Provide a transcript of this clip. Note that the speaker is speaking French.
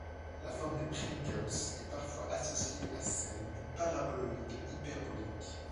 La forme des Pringles est parfois associée à celle du paraboloïde hyperbolique.